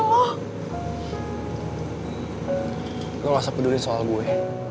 lo gak sepeduli soal gue